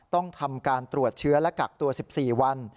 ต้องทำการตรวจเชื้อและกักตัว๑๔วัน